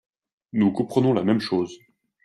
Nous comprenons la même chose